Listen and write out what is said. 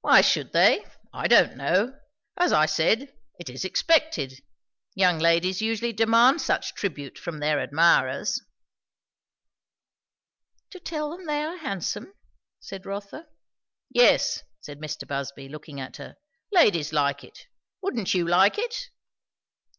"Why should they? I don't know. As I said, it is expected. Young ladies usually demand such tribute from their admirers." "To tell them they are handsome?" said Rotha. "Yes," said Mr. Busby looking at her. "Ladies like it. Wouldn't you like it?"